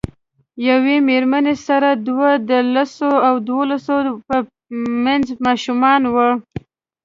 یوې میرمنې سره دوه د لسو او دولسو په منځ ماشومان وو.